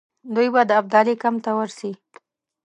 دوی د ابدالي کمپ ته ورسي.